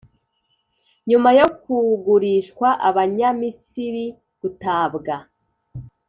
nyuma yo kugurishwa abanyamisiri, gutabwa